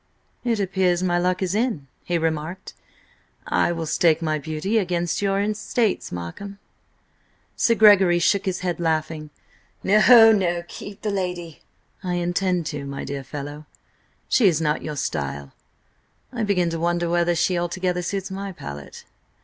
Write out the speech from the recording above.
"It appears my luck is in," he remarked. "I will stake my beauty against your estates, Markham." Sir Gregory shook his head, laughing. "No, no! Keep the lady!" "I intend to, my dear fellow. She is not your style. I begin to wonder whether she altogether suits my palate."